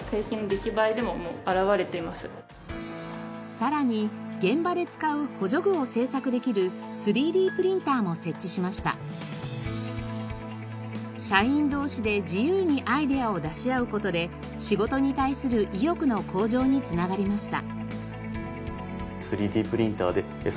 さらに現場で使う社員同士で自由にアイデアを出し合う事で仕事に対する意欲の向上に繋がりました。